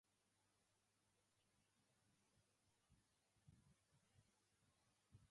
No matter how much money you have you can open a bank account.